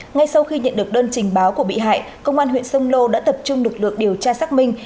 ngay sau khi nhận được đơn trình báo của bị hại công an huyện sông lô đã tập trung lực lượng điều tra xác minh